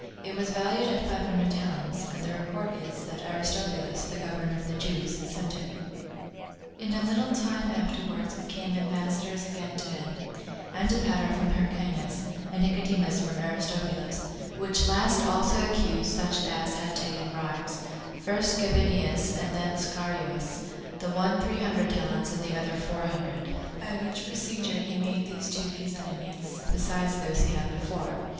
It was valued at five hundred talents; and the report is, that Aristobulus, the governor of the Jews, sent it." 2. In a little time afterward came ambassadors again to him, Antipater from Hyrcanus, and Nicodemus from Aristobulus; which last also accused such as had taken bribes; first Gabinius, and then Scaurus, the one three hundred talents, and the other four hundred; by which procedure he made these two his enemies, besides those he had before.